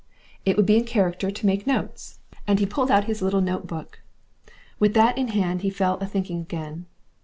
It would be in character to make notes, and he pulled out his little note book. With that in hand he fell a thinking again.